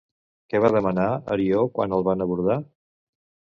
Què va demanar, Arió, quan el van abordar?